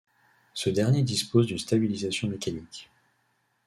Ce dernier dispose d'une stabilisation mécanique.